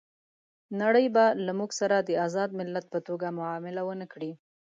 نړۍ به له موږ سره د آزاد ملت په توګه معامله ونه کړي.